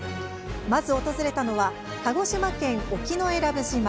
まず訪れたのは鹿児島県沖永良部島。